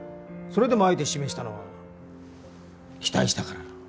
それでもあえて指名したのは期待したから。